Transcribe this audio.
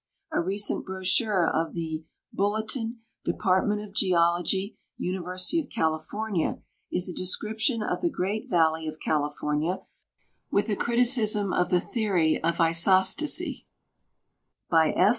A recent brochure of the " Bulletin, Department of Geology, University of California," is a description of tlie Great Valley of California, with a criticism of the theory of isostasy, by F.